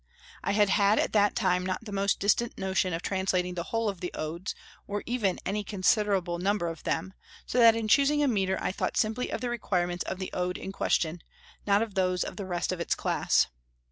I had had at that time not the most distant notion of translating the whole of the Odes, or even any considerable number of them, so that in choosing a metre I thought simply of the requirements of the Ode in question, not of those of the rest of its class.